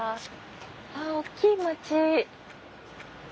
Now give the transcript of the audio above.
あ大きい町。